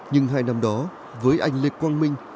nhưng hai năm đó với anh lê quang minh